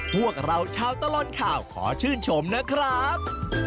พวกเราชาวตลอดข่าวขอชื่นชมนะครับ